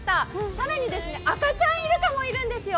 更に赤ちゃんイルカもいるんですよ。